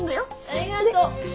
ありがとう。